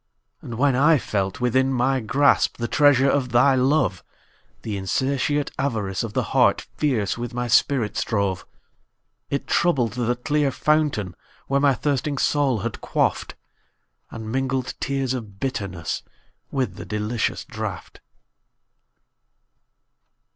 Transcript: And when I felt within my grasp, The treasure of thy love; The insatiate avarice of the heart Fierce with my spirit strove.It troubled the clear fountain where My thirsting soul had quaffed, And mingled tears of bitterness With the delicious draught.